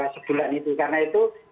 sebulan itu karena itu